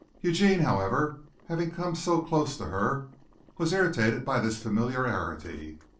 Eugene, however, having come so close to her, was irritated by this familiarity.